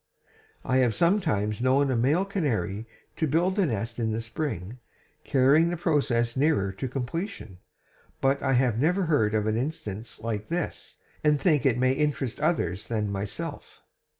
"I have sometimes known a male canary to build a nest in the spring, carrying the process nearer to completion, but I have never heard of an instance like this, and think it may interest others than myself."